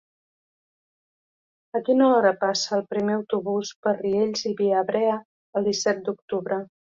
A quina hora passa el primer autobús per Riells i Viabrea el disset d'octubre?